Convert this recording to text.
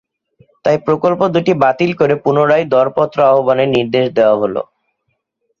তাই প্রকল্প দুটি বাতিল করে পুনরায় দরপত্র আহ্বানের নির্দেশ দেওয়া হলো।